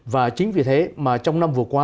và chính vì thế mà trong năm vừa qua